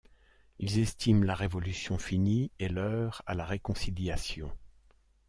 Ils estiment la Révolution finie et l'heure à la réconciliation.